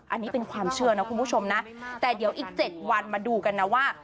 อันนี้เป็นความเชื่อนะคุณผู้ชมนะแต่เดี๋ยวอีก๗วันมาดูกันนะว่า